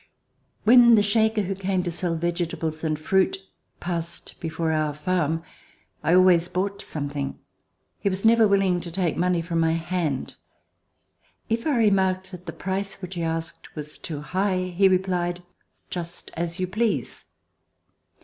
When the Shaker who came to sell vegetables and fruit passed before our farm, I always bought some thing. He was never willing to take money from my hand. If I remarked that the price which he asked was too high, he replied: "Just as you please."